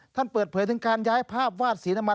ท่านเปิดเผยถึงการย้ายภาพวาดสีน้ำมัน